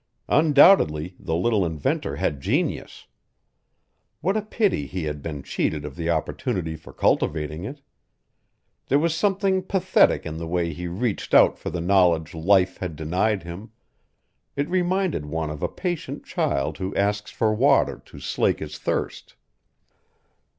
Undoubtedly the little inventor had genius. What a pity he had been cheated of the opportunity for cultivating it! There was something pathetic in the way he reached out for the knowledge life had denied him; it reminded one of a patient child who asks for water to slake his thirst.